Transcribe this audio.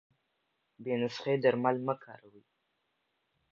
بې نسخي درمل مه کاروی